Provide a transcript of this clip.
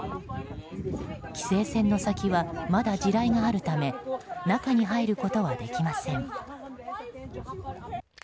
規制線の先はまだ地雷があるため中に入ることはできません。